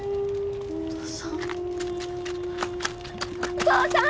お父さん！？